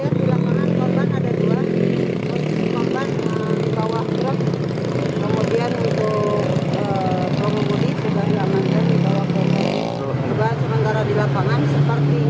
posisi korban di bawah truk kemudian itu pramu budi juga di lapangan truk